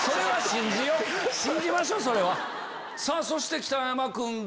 そして北山君が。